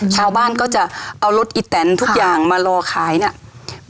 ชาวบ้านก็จะเอารถอีแตนทุกอย่างมารอขายเนี่ย